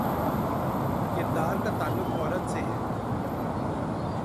کردار کا تعلق عورت سے ہے۔